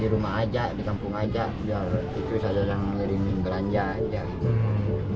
di rumah aja di kampung aja biar terus ada yang ngirimin belanja aja gitu